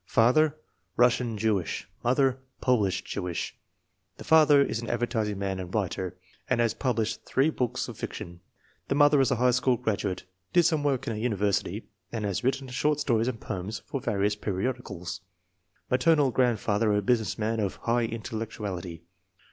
Father, Russian Jewish; mother, Polish Jewish. The father is an advertising man and writer, and has published three books of fiction. The mother is a high school graduate, did some work in a university, and has written short stories and poems for various periodicals. Maternal grandfather a business man of " high intellectuality."